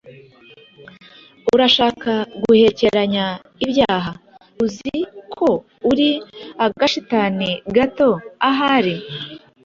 urashaka guhekeranya ibyaha? Uzi ko uri agashitani gato ahari?